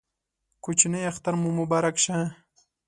کوچینۍ اختر مو مبارک شه